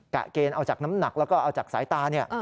ะเกณฑ์เอาจากน้ำหนักแล้วก็เอาจากสายตาเนี่ย